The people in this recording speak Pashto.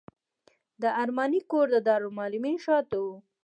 د ارماني کور د دارالمعلمین شاته و.